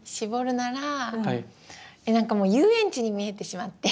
なんかもう遊園地に見えてしまって。